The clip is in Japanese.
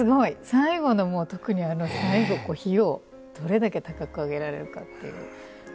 最後の特に火をどれだけ高く上げられるかって。